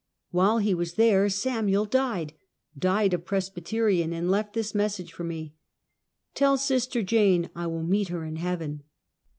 While he was there Samuel died — died a Presbyterian, and left this message for me: " Tell sister Jane I will meet her in heaven."